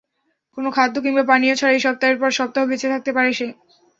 কোনো খাদ্য কিংবা পানীয় ছাড়াই সপ্তাহের পর সপ্তাহ বেঁচে থাকতে পারে সে।